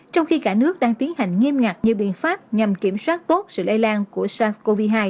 trong khi cả nước đang tiến hành nghiêm ngặt nhiều biện pháp nhằm kiểm soát tốt sự lây lan của sars cov hai